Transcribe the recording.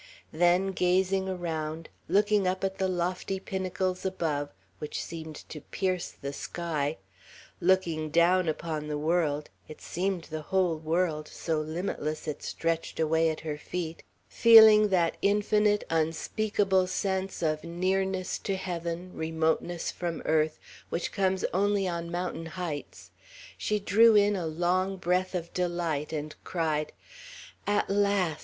Then, gazing around, looking up at the lofty pinnacles above, which seemed to pierce the sky, looking down upon the world, it seemed the whole world, so limitless it stretched away at her feet, feeling that infinite unspeakable sense of nearness to Heaven, remoteness from earth which comes only on mountain heights, she drew in a long breath of delight, and cried: "At last!